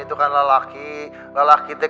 itu kan lelaki lelaki teh